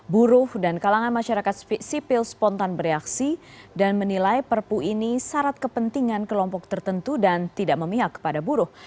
buruh dan kalangan masyarakat sipil spontan bereaksi dan menilai perpu ini syarat kepentingan kelompok tertentu dan tidak memihak kepada buruh